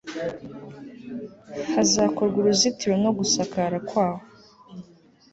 hazakorwa uruzitiro no gusakara kwaho